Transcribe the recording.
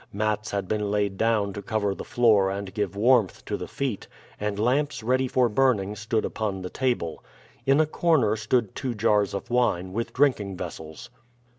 Mats had been laid down to cover the floor and give warmth to the feet, and lamps ready for burning stood upon the table. In a corner stood two jars of wine, with drinking vessels.